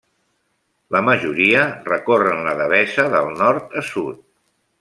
La majoria recorren la devesa del nord a sud.